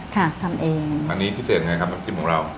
ทำเองอันนี้พิเศษยังไงครับน้ำจิ้มของเรา